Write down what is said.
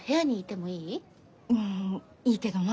うんいいけど何？